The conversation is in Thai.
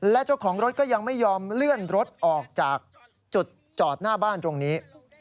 และเจ้าของรถก็ยังไม่ยอมเลื่อนรถออกจากจุดจอดหน้าบ้านตรงนี้